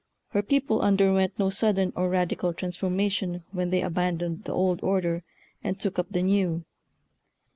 Her people under went no sudden or radical transformation when they abandoned the old order and took up the new.